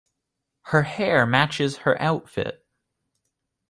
Her hair matches her outfit.